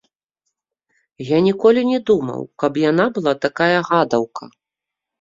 Я ніколі не думаў, каб яна была такая гадаўка.